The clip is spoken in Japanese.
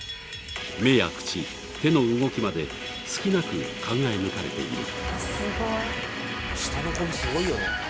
目や口、手の動きまで隙なく考え抜かれている。